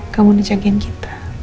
kamu njagain kita